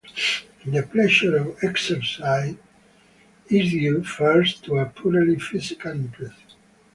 The pleasure of exercise is due first to a purely physical impression.